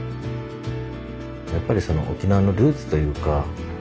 やっぱりその沖縄のルーツというか。